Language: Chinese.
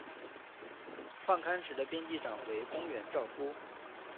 创刊时的编辑长为宫原照夫。